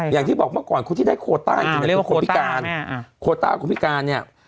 อย่างที่บอกมาก่อนคนที่ได้โคต้าอย่างนี้เป็นคนพิการ